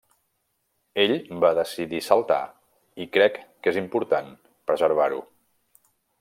Ell va decidir saltar, i crec que és important preservar-ho.